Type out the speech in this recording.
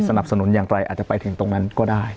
สนุนอย่างไรอาจจะไปถึงตรงนั้นก็ได้